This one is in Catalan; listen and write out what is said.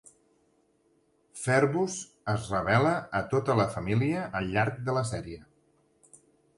Ferbus es revela a tota la família al llarg de la sèrie.